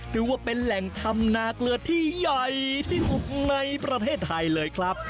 ถือว่าเป็นแหล่งทำนาเกลือที่ใหญ่ที่สุดในประเทศไทยเลยครับ